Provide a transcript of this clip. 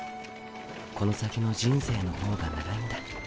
この先の人生のほうが長いんだ。